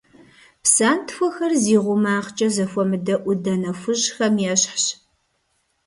Псантхуэхэр зи гъумагъкӀэ зэхуэмыдэ Ӏуданэ хужьхэм ещхьщ.